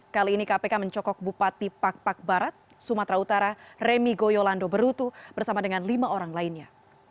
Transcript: kali ini kpk mencokok bupati pak pak barat sumatera utara remi goyolando berutu bersama dengan lima orang lainnya